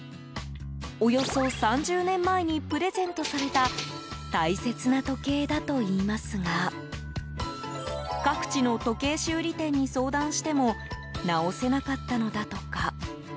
およそ３０年前にプレゼントされた大切な時計だといいますが各地の時計修理店に相談しても直せなかったのだとか。